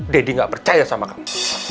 deddy gak percaya sama kamu